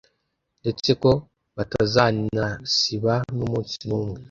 ndetse ko batazanasiba n’umunsi n’umwe